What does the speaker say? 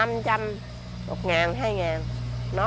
một ngàn hai ngàn